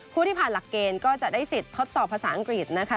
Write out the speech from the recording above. ที่ผ่านหลักเกณฑ์ก็จะได้สิทธิ์ทดสอบภาษาอังกฤษนะคะ